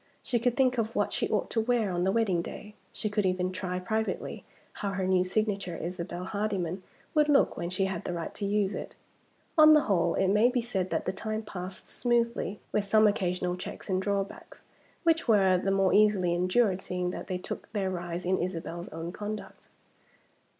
She could think of what she ought to wear on the wedding day; she could even try privately how her new signature, "Isabel Hardyman," would look when she had the right to use it. On the whole, it may be said that the time passed smoothly with some occasional checks and drawbacks, which were the more easily endured seeing that they took their rise in Isabel's own conduct.